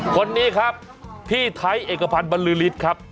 คนนี้ครับพี่ไทยเอกพันธ์บรรลือฤทธิ์ครับ